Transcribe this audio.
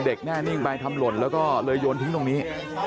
แน่นิ่งไปทำหล่นแล้วก็เลยโยนทิ้งตรงนี้